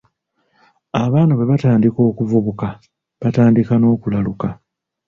Abaana bwe batandika okuvubuka, batandika n'okulaluka.